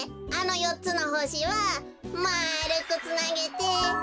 あのよっつのほしはまあるくつなげて。